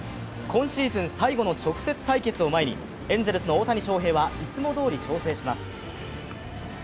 今シーズン最後の直接対決を前にエンゼルス・大谷翔平はいつもどおり調整します。